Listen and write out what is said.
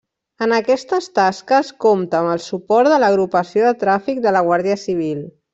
En aquestes tasques compta amb el suport de l'Agrupació de Tràfic de la Guàrdia Civil.